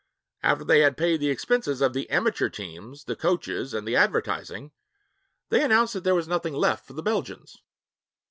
After they had paid the expenses of the 'amateur' teams, the coaches, and the advertising, they announced that there was nothing left for the Belgians.